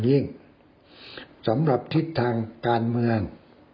สำหรับทิศทางการเมือง